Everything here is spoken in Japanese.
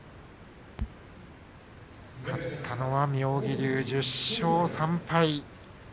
勝ったのは妙義龍１０勝３敗。